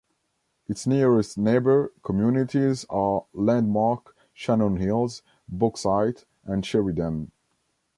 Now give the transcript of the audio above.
Its nearest neighbor communities are Landmark, Shannon Hills, Bauxite, and Sheridan.